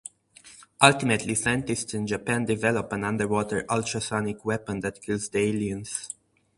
Ultimately, scientists in Japan develop an underwater ultrasonic weapon that kills the aliens.